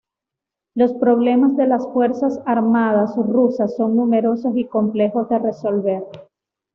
Los problemas de las fuerzas armadas rusas son numerosos y complejos de resolver.